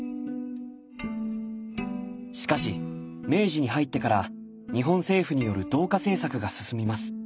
しかし明治に入ってから日本政府による同化政策が進みます。